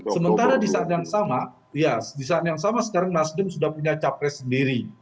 sementara di saat yang sama ya di saat yang sama sekarang nasdem sudah punya capres sendiri